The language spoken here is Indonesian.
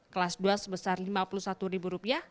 kelas dua sebesar lima puluh satu rupiah